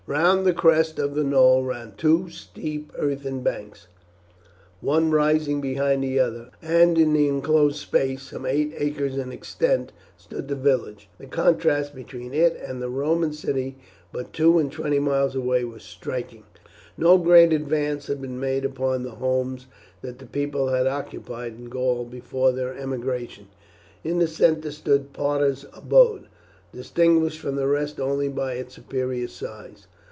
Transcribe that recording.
Round the crest of the knoll ran two steep earthen banks, one rising behind the other, and in the inclosed space, some eight acres in extent, stood the village. The contrast between it and the Roman city but two and twenty miles away was striking. No great advance had been made upon the homes that the people had occupied in Gaul before their emigration. In the centre stood Parta's abode, distinguished from the rest only by its superior size.